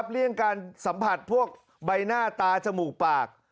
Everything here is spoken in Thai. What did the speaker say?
เลี่ยงการสัมผัสพวกใบหน้าตาจมูกปาก